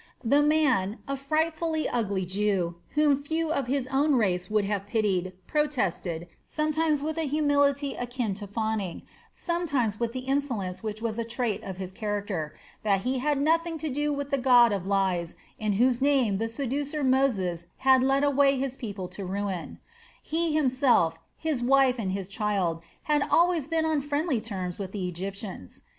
The man, a frightfully ugly Jew, whom few of his own race would have pitied, protested, sometimes with a humility akin to fawning, sometimes with the insolence which was a trait of his character, that he had nothing to do with the god of lies in whose name the seducer Moses had led away his people to ruin; he himself, his wife, and his child had always been on friendly terms with the Egyptians.